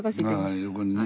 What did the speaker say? あ横にね。